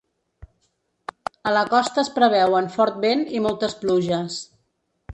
A la costa es preveuen fort vent i moltes pluges.